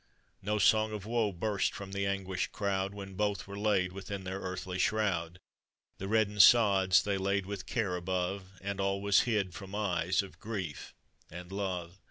No song of woe burst from the anguished crowd When both were laid within their earthy shroud; The reddened soda they laid with care above, And all was hid from eyes of grief and love.